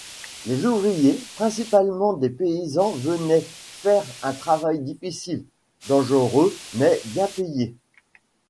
Les ouvriers, principalement des paysans venaient faire un travail difficile, dangereux mais bien payé.